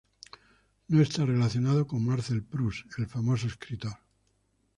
No está relacionado con Marcel Proust, el famoso escritor.